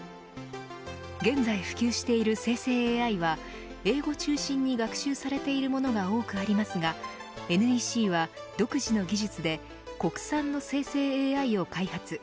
現在普及している生成ＡＩは英語中心に学習されているものが多くありますがＮＥＣは独自の技術で国産の生成ＡＩを開発。